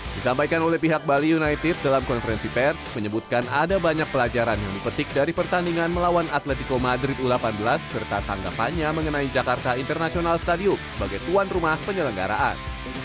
disampaikan oleh pihak bali united dalam konferensi pers menyebutkan ada banyak pelajaran yang dipetik dari pertandingan melawan atletico madrid u delapan belas serta tanggapannya mengenai jakarta international stadium sebagai tuan rumah penyelenggaraan